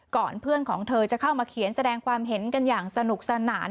เพื่อนของเธอจะเข้ามาเขียนแสดงความเห็นกันอย่างสนุกสนาน